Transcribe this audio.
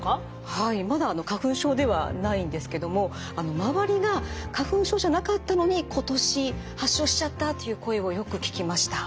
はいまだ花粉症ではないんですけども周りが花粉症じゃなかったのに今年発症しちゃったという声をよく聞きました。